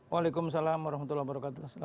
waalaikumsalam warahmatullahi wabarakatuh selamat malam